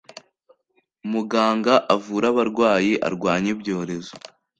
Muganga avure abarwayi arwanye ibyorezo